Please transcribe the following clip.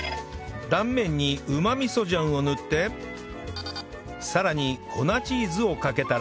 断面にうま味噌醤を塗ってさらに粉チーズをかけたら